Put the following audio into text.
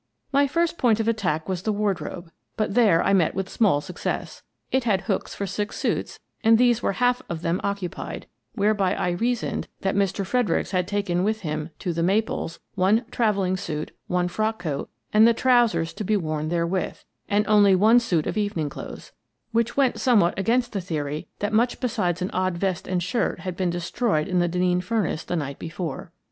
My first point of attack was the wardrobe, but there I met with small success. It had hooks for six suits, and these were half of them occupied, whereby I reasoned that Mr. Fredericks had taken f 92 Miss Frances Baird, Detective with him to " The Maples " one travelling suit, one frock coat, and the trousers to be worn therewith, and only one suit of evening clothes — which went somewhat against the theory that much besides an odd vest and shirt had been destroyed in the Den neen furnace the night before.